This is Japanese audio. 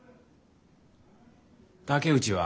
竹内は？